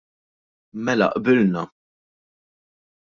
Mela qbilna!